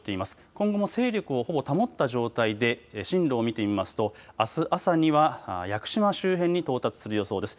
今後勢力をほぼ保った状態で進路を見てみますとあす朝には屋久島周辺に到達する予想です。